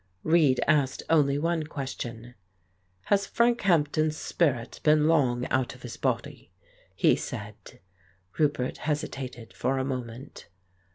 Reid asked only one question. "Has Frank Hampden's spirit been long out of his body ?" he said. Roupert hesitated for a moment.